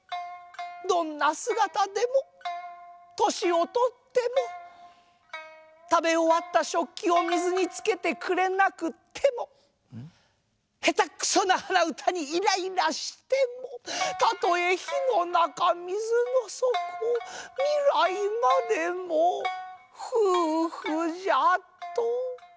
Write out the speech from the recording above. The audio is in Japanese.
どんなすがたでもとしをとってもたべおわったしょっきを水につけてくれなくってもへたくそなはなうたにイライラしてもたとえ火の中水の底未来までも夫婦じゃと。